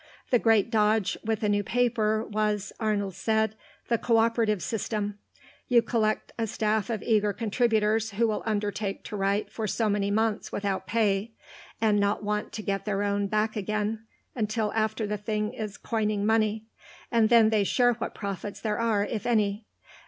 The great dodge with a new paper, was, Arnold said, the co operative system; you collect a staff of eager contributors who will undertake to write for so many months without pay, and not want to get their own back again till after the thing is coining money, and then they share what profits there are, if any.